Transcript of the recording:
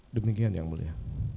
demikian yang mulia